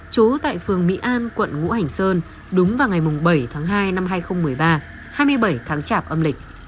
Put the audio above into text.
trú tại phường mỹ an quận ngũ hành sơn đúng vào ngày bảy tháng hai năm hai nghìn một mươi ba hai mươi bảy tháng chạp âm lịch